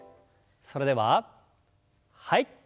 それでははい。